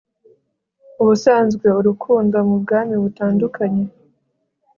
ubusanzwe urukundo) mubwami butandukanye